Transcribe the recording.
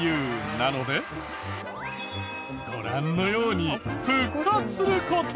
なのでご覧のように復活する事が。